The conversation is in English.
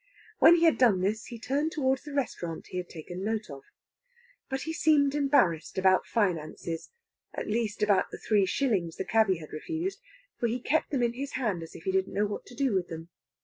When he had done this he turned towards the restaurant he had taken note of. But he seemed embarrassed about finances at least, about the three shillings the cabby had refused; for he kept them in his hand as if he didn't know what to do with them.